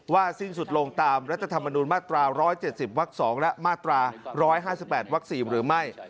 สิ้นสุดลงตามรัฐธรรมนุนมาตรา๑๗๐วัก๒และมาตรา๑๕๘วัก๔หรือไม่